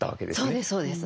そうですそうです。